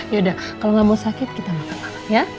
yaudah kalau gak mau sakit kita makan malam ya